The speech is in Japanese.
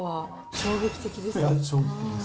衝撃的ですね。